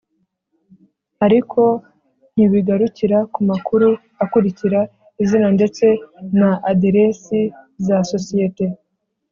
ariko ntibigarukira ku makuru akurikira: izina ndetse na aderesi za sosiyete